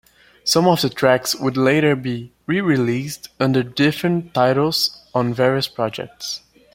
Some of the tracks would later be re-released under different titles on various projects.